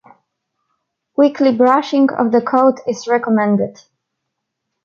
Weekly brushing of the coat is recommended.